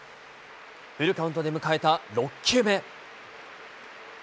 フルカウントで迎えた６球目。